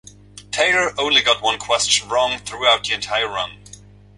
Taylor only got one question wrong throughout her entire run.